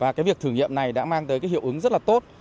và cái việc thử nghiệm này đã mang tới cái hiệu ứng rất là tốt